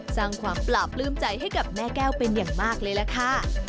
สร้างความปราบปลื้มใจให้กับแม่แก้วเป็นอย่างมากเลยล่ะค่ะ